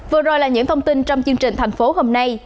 vừa rồi là những thông tin trong chương trình thành phố hôm nay